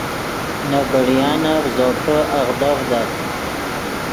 نے بڑیانف زوپے اغدڤدت